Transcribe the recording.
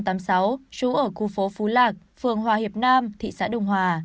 trú ở khu phố phú lạc phường hòa hiệp nam thị xã đông hòa